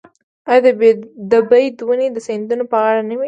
آیا د بید ونې د سیندونو په غاړه نه وي؟